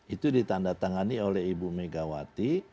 itu ditanda tangani oleh ibu megawati